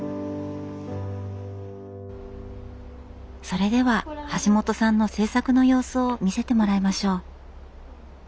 それでははしもとさんの制作の様子を見せてもらいましょう。